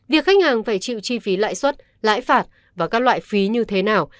việc khách hàng phải chịu chi phí lãi suất lãi phạt và các loại phí như thế nào